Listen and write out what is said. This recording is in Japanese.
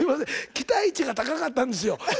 期待値が高かったんですよ。